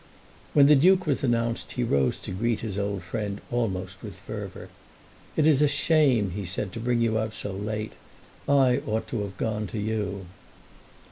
When the Duke was announced he rose to greet his old friend almost with fervour. "It is a shame," he said, "to bring you out so late. I ought to have gone to you."